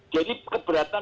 jadi pak firman terakhir